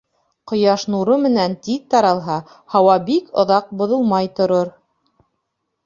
Кояш нуры менән тиҙ таралһа, Һауа бик оҙаҡ боҙолмай торор.